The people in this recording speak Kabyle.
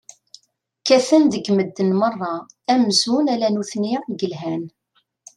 Kkaten deg medden meṛṛa amzun ala nutni i yelhan.